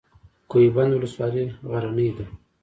کوه بند ولسوالۍ غرنۍ ده؟